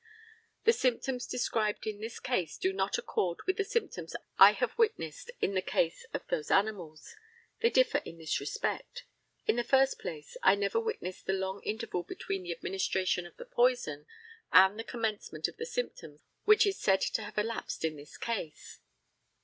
The symptoms described in this case do not accord with the symptoms I have witnessed in the case of those animals. They differ in this respect: In the first place I never witnessed the long interval between the administration of the poison and the commencement of the symptoms which is said to have elapsed in this case.